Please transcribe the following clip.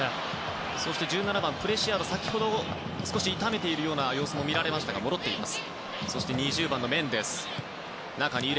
そしてエクアドルのプレシアード先ほど、少し痛めているような様子も見られましたが戻っています。